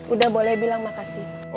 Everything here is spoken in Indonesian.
udah boleh bilang makasih